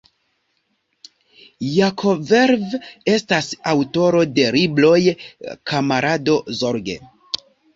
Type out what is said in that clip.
Jakovlev estas aŭtoro de libroj "Kamarado Zorge.